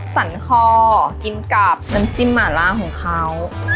สันคอกินกับน้ำจิ้มหมาล่าของเขา